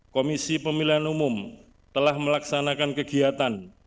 komisi pemilihan umum telah melaksanakan kegiatan